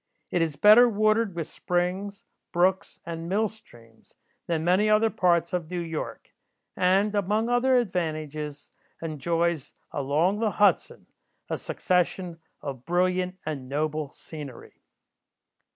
It is better watered with springs, brooks, and mill streams, than many other parts of New York, and, among other advantages, enjoys, along the Hudson, a succession of brilliant and noble scenery.